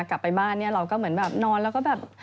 กลับไปบ้านเราก็เหมือนนอนแล้วก็แบบ